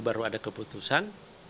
baru ada keputusan